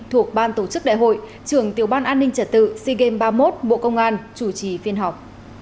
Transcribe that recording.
thuộc ban tổ chức đại hội trường tiểu ban an ninh trả tự sigem ba mươi một bộ công an chủ trì phiên họp